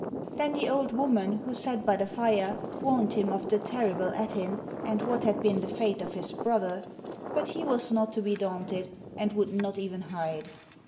Then the old woman who sat by the fire warned him of the terrible Ettin, and what had been the fate of his brother ; but he was not to be daunted, and would not even hide.